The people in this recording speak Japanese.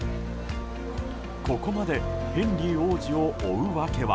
ここまでヘンリー王子を追う訳は。